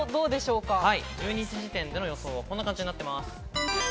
１２時時点での予想はこんな感じになっています。